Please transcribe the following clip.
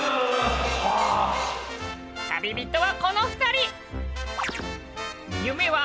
旅人はこの２人！